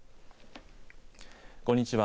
こんにちは。